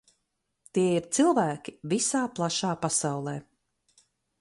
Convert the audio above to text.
Tie ir cilvēki visā plašā pasaulē.